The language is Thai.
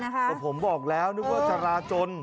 แต่ผมบอกแล้วนึกว่าจราจน